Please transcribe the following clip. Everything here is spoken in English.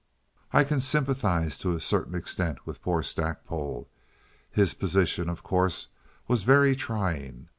I can sympathize to a certain extent with poor Stackpole. His position, of course, was very trying.